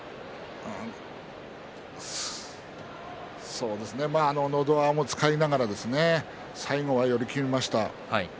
そうですね、のど輪も使いながら最後は寄り切りました。